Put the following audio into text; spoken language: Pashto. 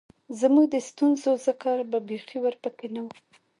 زمونږ د ستونزو ذکــــــر به بېخي ورپکښې نۀ وۀ